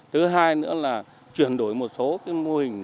thứ hai nữa là chuyển đổi một số mô hình